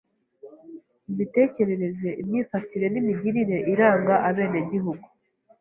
imitekerereze, imyifatire n’imigirire iranga abenegihugu